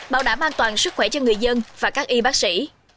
bảo đảm an toàn sức khỏe cho người dân và các y bác sĩ